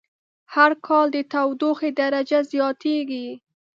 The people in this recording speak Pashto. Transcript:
هر کال د تودوخی درجه زیاتیږی